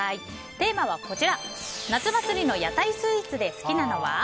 テーマは夏祭りの屋台スイーツで好きなのは？